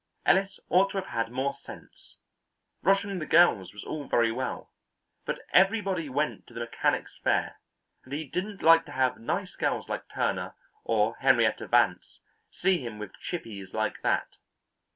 Ellis ought to have had more sense; rushing the girls was all very well, but everybody went to the Mechanics' Fair, and he didn't like to have nice girls like Turner or Henrietta Vance see him with chippies like that.